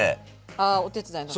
ああお手伝いの時？